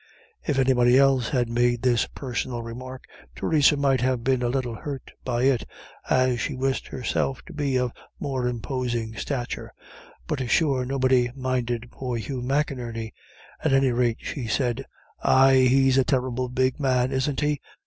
If anybody else had made this personal remark, Theresa might have been a little hurt by it, as she wished herself of more imposing stature; but sure nobody minded poor Hugh McInerney; at any rate she said, "Aye, he's a terrible big man, isn't he?